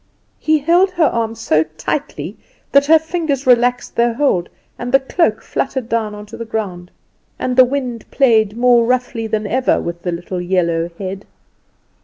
He held her arm so tightly that her fingers relaxed their hold, and the cloak fluttered down on to the ground, and the wind played more roughly than ever with the little yellow head.